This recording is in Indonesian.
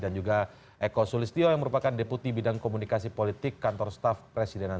dan juga eko sulistio yang merupakan deputi bidang komunikasi politik kantor staff presidenan